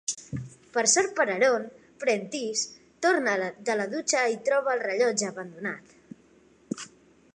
Per sort per a Aaron, Prentice torna de la dutxa i troba el rellotge abandonat.